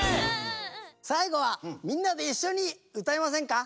さいごはみんなでいっしょにうたいませんか？